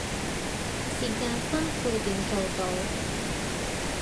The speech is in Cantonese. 時間分配點做到